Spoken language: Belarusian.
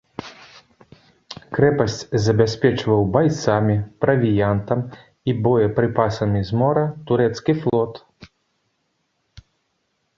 Крэпасць забяспечваў байцамі, правіянтам і боепрыпасамі з мора турэцкі флот.